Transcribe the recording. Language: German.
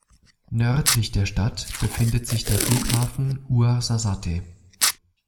Nördlich der Stadt befindet sich der Flughafen Ouarzazate.